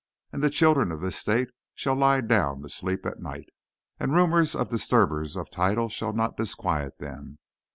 And the children of this state shall lie down to sleep at night, and rumours of disturbers of title shall not disquiet them.